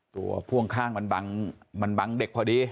ตัวพ่วงข้างมันบังมันบังเด็กพอดี